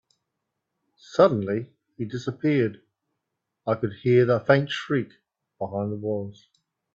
Suddenly, he disappeared, and I could hear a faint shriek behind the walls.